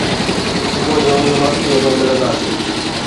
صبح جو يونيورسٽيءَ ۾ ملنداسين